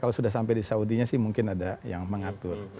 kalau sudah sampai di saudinya sih mungkin ada yang mengatur